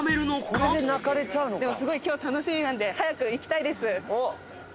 すごい今日楽しみなんで早く行きたいです。